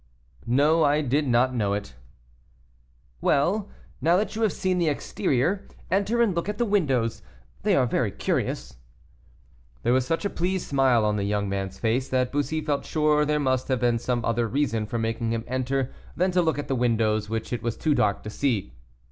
"No, I did not know it." "Well, now that you have seen the exterior, enter and look at the windows they are very curious." There was such a pleased smile on the young man's face, that Bussy felt sure there must have been some other reason for making him enter than to look at the windows which it was too dark to see.